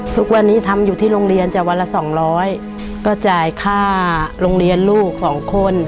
ทุกวันนี้ทำอยู่ที่โรงเรียนจากวันละสองร้อยก็จ่ายค่าโรงเรียนลูกสองคน